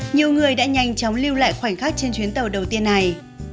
nhiều người đã nhanh chóng lưu lại khoảnh khắc trên chuyến tàu đầu tiên này